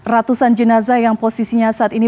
ratusan jenazah yang posisinya saat ini